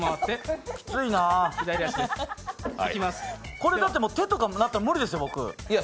これ手とかなったら無理ですよ、僕。